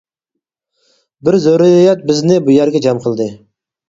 بىر زۆرۈرىيەت بىزنى بۇ يەرگە جەم قىلدى.